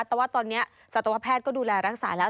แต่ว่าตอนนี้สัตวแพทย์ก็ดูแลรักษาแล้ว